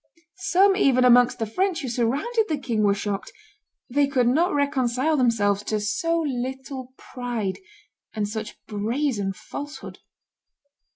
Some even amongst the French who surrounded the king were shocked; they could not reconcile themselves to so little pride and such brazen falsehood.